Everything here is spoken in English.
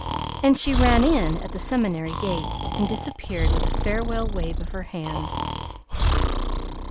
and she ran in at the seminary gate, and disappeared with a farewell wave of her hand.